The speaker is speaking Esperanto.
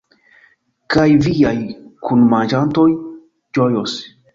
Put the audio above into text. Kaj viaj kunmanĝantoj ĝojos.